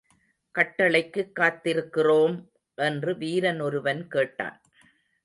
கட்டளைக்குக் காத்திருக்கிறோம்! என்று வீரன் ஒருவன் கேட்டான்.